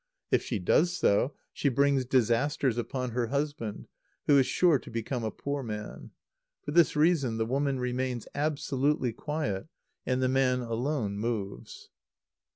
If she does so, she brings disasters upon her husband, who is sure to become a poor man. For this reason, the woman remains absolutely quiet, and the man alone moves.